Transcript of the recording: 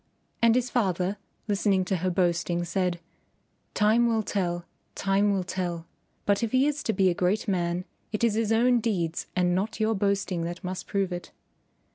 And his father, listening to her boasting, said, "Time will tell; time will tell; but if he is to be a great man it is his own deeds and not your boasting that must prove it."